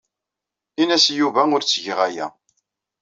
Ini-as i Yuba ur ttgeɣ aya.